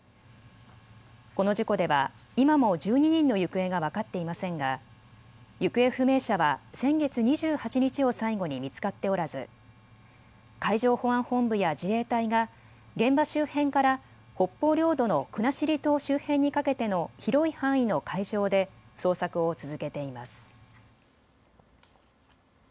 この事故では今も１２人の行方が分かっていませんが行方不明者は先月２８日を最後に見つかっておらず海上保安本部や自衛隊が現場周辺から北方領土の国後島周辺にかけての広い範囲の海上で捜索を続けています。